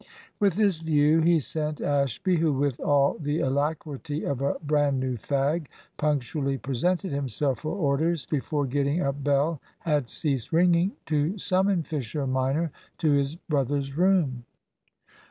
With this view he sent Ashby (who, with all the alacrity of a brand new fag, punctually presented himself for orders before getting up bell had ceased ringing) to summon Fisher minor to his brother's room.